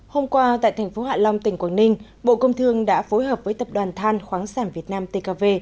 hôm qua tại thành phố hạ long tỉnh quảng ninh bộ công thương đã phối hợp với tập đoàn than khoáng sản việt nam tkv